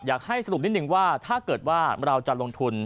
อยากให้สรุปนิดนึงว่าถ้าเกิดว่าเราจะลงทุน